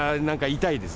痛いです。